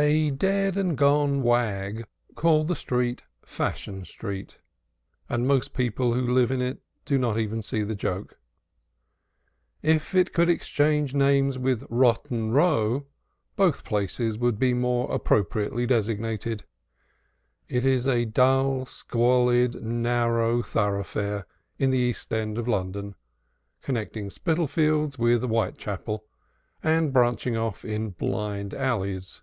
A dead and gone wag called the street "Fashion Street," and most of the people who live in it do not even see the joke. If it could exchange names with "Rotten Row," both places would be more appropriately designated. It is a dull, squalid, narrow thoroughfare in the East End of London, connecting Spitalfields with Whitechapel, and branching off in blind alleys.